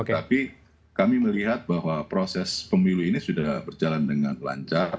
tapi kami melihat bahwa proses pemilu ini sudah berjalan dengan lancar